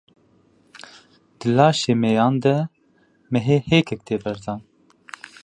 Di laşê mêyan de mehê hêkek tê berdan